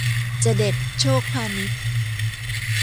จเด็ด โชคพานิชย์